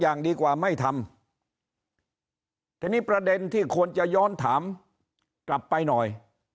อย่างดีกว่าไม่ทำทีนี้ประเด็นที่ควรจะย้อนถามกลับไปหน่อย